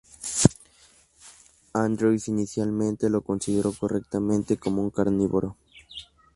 Andrews inicialmente lo consideró correctamente como un carnívoro.